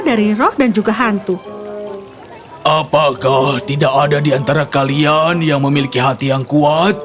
apakah tidak ada di antara kalian yang memiliki hati yang kuat